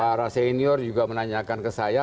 para senior juga menanyakan ke saya